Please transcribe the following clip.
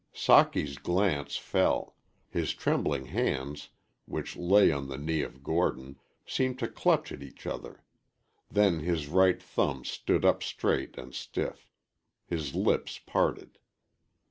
Socky's glance fell; his trembling hands, which lay on the knee of Gordon, seemed to clutch at each other; then his right thumb stood up straight and stiff; his lips parted.